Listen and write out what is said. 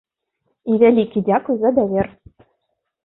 І вялікі дзякуй за давер!